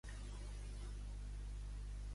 Com assassina McAllester a un d'ells?